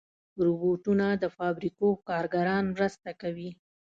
روبوټونه د فابریکو کارګران مرسته کوي.